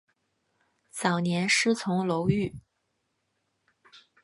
早年师从楼郁。